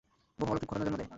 বহু অলৌকিক ঘটনা জন্ম দেয়।